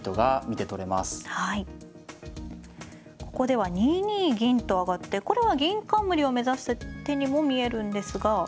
ここでは２二銀と上がってこれは銀冠を目指した手にも見えるんですが。